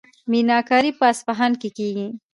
میناکاري په اصفهان کې کیږي.